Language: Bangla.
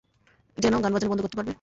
জেন, গান বাজানো বন্ধ করতে পারবে?